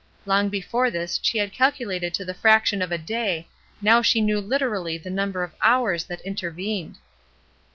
Long before this she had calculated to the fraction of a day, now she knew hterally the number of hours that intervened.